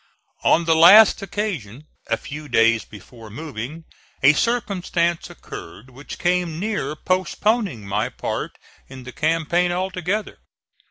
On the last occasion, a few days before moving, a circumstance occurred which came near postponing my part in the campaign altogether.